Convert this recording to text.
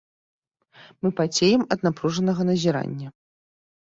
Мы пацеем ад напружанага назірання.